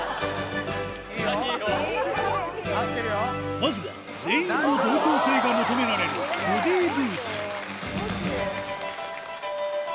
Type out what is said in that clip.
まずは全員の同調性が求められるボディー入水。